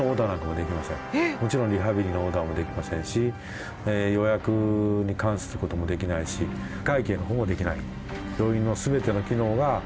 もちろんリハビリのオーダーもできませんし予約に関することもできないし会計のほうもできない。